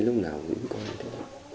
lúc nào cũng không được